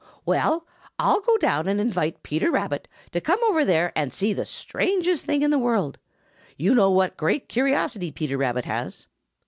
"Well, I'll go down and invite Peter Rabbit to come over there and see the strangest thing in the world. You know what great curiosity Peter Rabbit has.